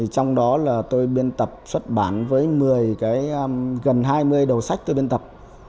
trong đó là tôi biên tập xuất bản với một mươi cái gần hai mươi đầu sách tôi biên tập